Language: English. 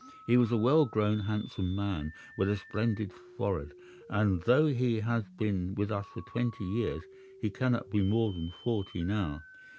He was a well grown, handsome man, with a splendid forehead, and though he has been with us for twenty years he cannot be more than forty now.